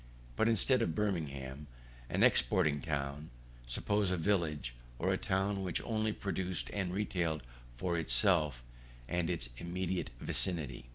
But instead of Birmingham, an exporting town, suppose a village, or a town which only produced and retailed for itself and its immediate vicinity.